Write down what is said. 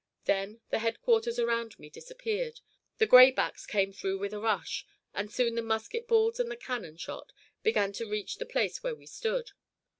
Then the headquarters around me disappeared. The gray backs came through with a rush, and soon the musket balls and the cannon shot began to reach the place where we stood.